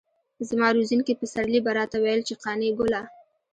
زما روزونکي پسرلي به راته ويل چې قانع ګله.